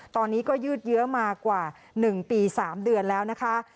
ตอนนี้ก็ยืดเยอะมากว่า๑ปี๓เดือนแล้วนะคะ